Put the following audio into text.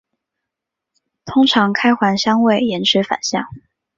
通常开环相位延迟反相。